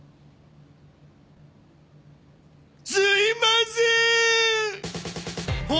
すいません！